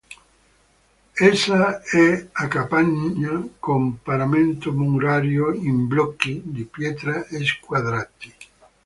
Essa è a capanna, con paramento murario in blocchi di pietra squadrati.